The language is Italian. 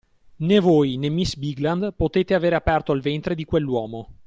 Né voi né miss Bigland potete avere aperto il ventre di quell’uomo.